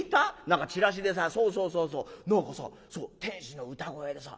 何かチラシでさそうそうそうそう何かさ天使の歌声でさ